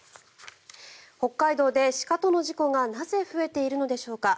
北海道で鹿との事故がなぜ増えているのでしょうか。